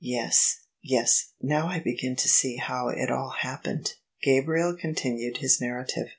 ''" Yes, yes: now I begin to see how it all happened." Gabriel continued his narrative.